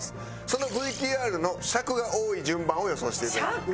そのＶＴＲの尺が多い順番を予想していただきます。